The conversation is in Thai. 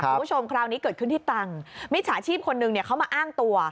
คุณผู้ชมคราวนี้เกิดขึ้นที่ตังมิตรศาสตร์ชีพคนนึงเขามาอ้างตัว